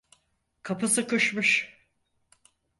Kapı sıkışmış.